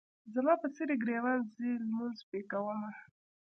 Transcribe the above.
زما په څېرې ګریوان ځي لمونځ پې کومه.